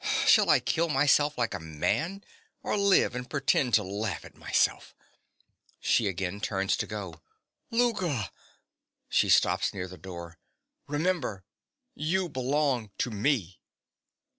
Shall I kill myself like a man, or live and pretend to laugh at myself? (She again turns to go.) Louka! (She stops near the door.) Remember: you belong to me.